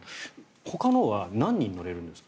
ほかのは何人乗れるんですか？